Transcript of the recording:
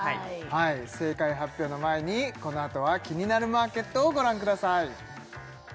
正解発表の前にこのあとは「キニナルマーケット」をご覧ください